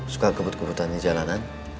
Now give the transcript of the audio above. suka kebut kebutannya jalanan